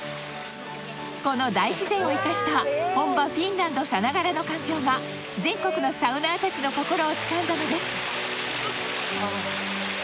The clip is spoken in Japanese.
この大自然を生かした本場フィンランドさながらの環境が全国のサウナー達の心をつかんだのです